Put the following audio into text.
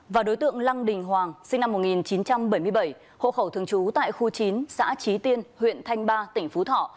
và đối tượng lăng đình hoàng sinh năm một nghìn chín trăm bảy mươi bảy hộ khẩu thường trú tại khu chín xã trí tiên huyện thanh ba tỉnh phú thọ